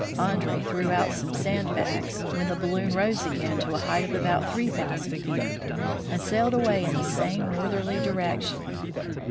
Andree threw out some sand bags, when the balloon rose again to a height of about three thousand feet, and sailed away in the same northerly direction.